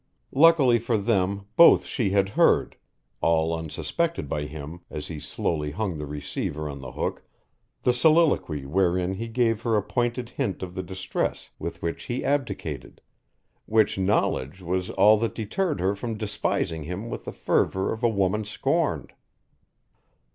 Luckily for them both she had heard, all unsuspected by him as he slowly hung the receiver on the hook, the soliloquy wherein he gave her a pointed hint of the distress with which he abdicated which knowledge was all that deterred her from despising him with the fervour of a woman scorned.